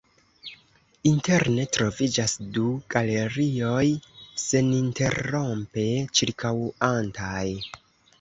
Interne troviĝas du galerioj seninterrompe ĉirkaŭantaj.